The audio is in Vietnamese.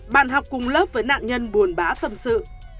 bạn học cùng lớp với nạn nhân buồn bá tâm sự